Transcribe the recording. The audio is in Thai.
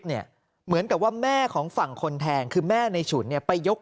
เหมือนกับว่าแม่ของฝั่งคนแทงคือแม่ในฉุนเนี่ยไปยก